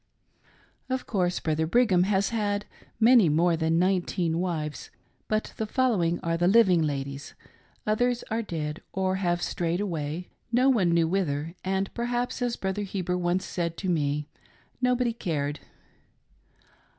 Of course Brother Brigham has had many more than nineteen wives, but the following are the living ladies : others are dead or have strayed away, no one knew whither, and perhaps, as Brother Heber once said to me, nobody cared.